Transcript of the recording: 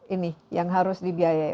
ini yang harus dibiayai